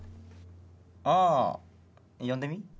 ああ読んでみ？